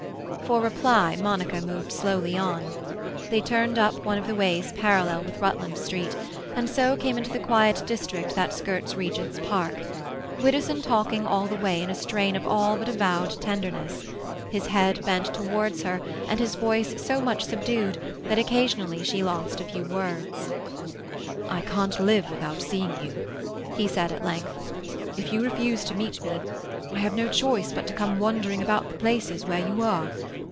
For reply Monica moved slowly on. They turned up one of the ways parallel with Rutland Street, and so came into the quiet district that skirts Regent's Park, Widdowson talking all the way in a strain of all but avowed tenderness, his head bent towards her and his voice so much subdued that occasionally she lost a few words. "I can't live without seeing you," he said at length. "If you refuse to meet me, I have no choice but to come wandering about the places where you are.